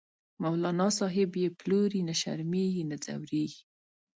مولانا صاحب یی پلوری، نه شرمیزی نه ځوریږی